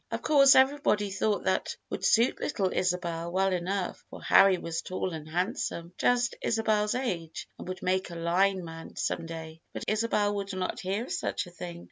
Of course everybody thought that would suit little Isabel well enough, for Harry was tall and handsome, just Isabel's age, and would make a line man some day; but Isabel would not hear of such a thing.